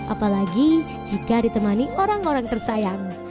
apalagi jika ditemani orang orang tersayang